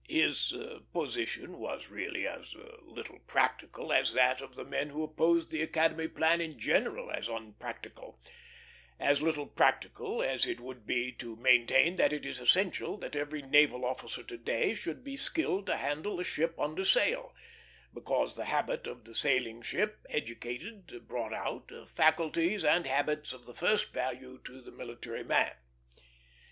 His position was really as little practical as that of the men who opposed the Academy plan in general as unpractical; as little practical as it would be to maintain that it is essential that every naval officer to day should be skilled to handle a ship under sail, because the habit of the sailing ship educated, brought out, faculties and habits of the first value to the military man.